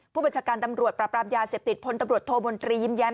ผู้บัญชาการตำรวจปราบรามยาเสพติดพลตำรวจโทมนตรียิ้มแย้ม